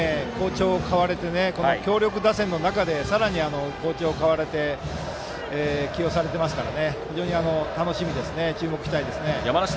好調を買われて強力打線の中でさらに好調を買われて起用されているので注目したいです。